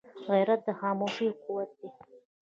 غیرت د خاموشۍ قوت دی